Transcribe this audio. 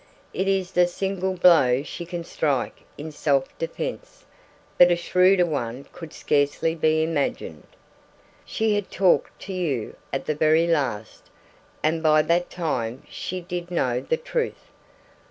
It is the single blow she can strike in self defence; but a shrewder one could scarcely be imagined. She had talked to you, at the very last; and by that time she did know the truth.